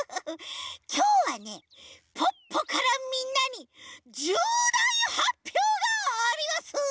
きょうはねポッポからみんなにじゅうだいはっぴょうがあります！